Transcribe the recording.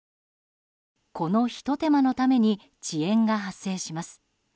この、ひと手間のために遅延が発生します。